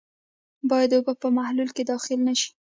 باید اوبه په محلول کې داخلې نه شي.